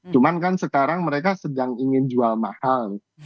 cuman kan sekarang mereka sedang ingin jual mahal